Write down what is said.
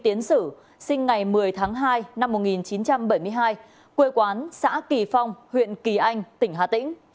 tiến sử sinh ngày một mươi tháng hai năm một nghìn chín trăm bảy mươi hai quê quán xã kỳ phong huyện kỳ anh tỉnh hà tĩnh